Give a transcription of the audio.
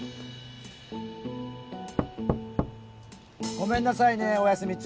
ごめんなさいねお休み中。